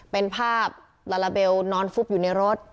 เป็นภาพลาลาเบลนอนฟุบอยู่ในรถ